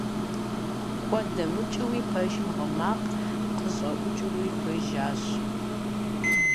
Куэд дэмыкӀыуи пэшым гъы макъ къыщӀэӀукӀыу хуежьащ.